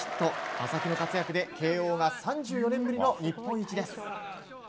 正木の活躍で慶應が３４年ぶりの日本一です。